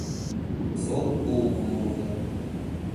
Солык пуымо муро-влак.